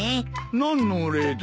何のお礼だ？